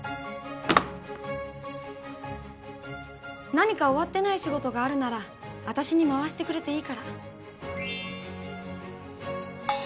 何か終わってない仕事があるなら私にまわしてくれていいから。